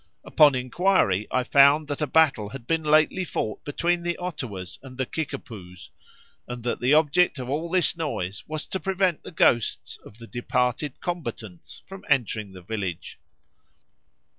Upon inquiry, I found that a battle had been lately fought between the Ottawas and the Kickapoos, and that the object of all this noise was to prevent the ghosts of the departed combatants from entering the village."